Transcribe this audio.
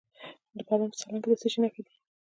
د پروان په سالنګ کې د څه شي نښې دي؟